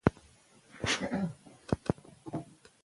دوی غواړي چې په راتلونکي کې ډاکټران سي.